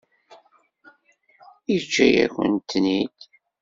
Yeǧǧa-yakent-ten-id?